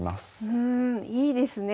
うんいいですね。